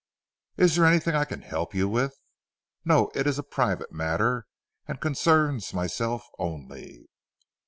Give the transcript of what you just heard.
"Is there anything I can help you with?" "No. It is a private matter, and concerns myself only."